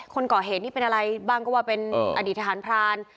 คนก่อเหตุนี่เป็นอะไรบ้างก็ว่าเป็นอดีตทหารพราน